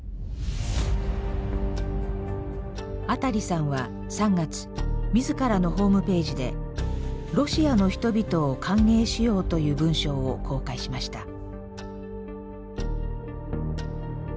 アタリさんは３月自らのホームページで「ロシアの人々を歓迎しよう」という文章を公開しました。